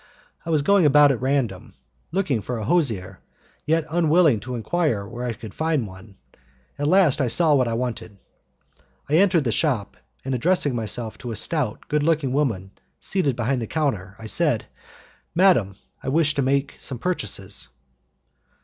I was going about at random, looking for a hosier, yet unwilling to enquire where I could find one; at last I saw what I wanted. I entered the shop, and addressing myself to a stout, good looking woman seated behind the counter, I said, "Madam, I wish to make some purchases."